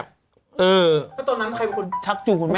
แล้วตอนนั้นใครคนชักจูงคุณแม่